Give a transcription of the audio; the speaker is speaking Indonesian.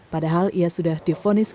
padahal ia sudah difonis